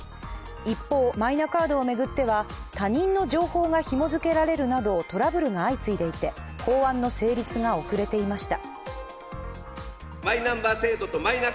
一方、マイナカードを巡っては他人の情報がひも付けられるなどトラブルが相次いでいて、法案の成立が遅れていました。